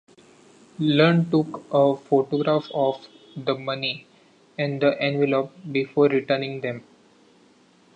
Lunn took a photograph of the money and the envelope before returning them.